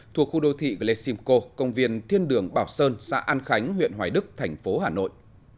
thuộc khu đô thị glesimco công viên thiên đường bảo sơn xã an khánh huyện hoài đức thành phố hà nội